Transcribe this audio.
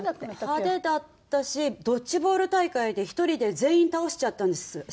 派手だったしドッジボール大会で１人で全員倒しちゃったんです生徒を。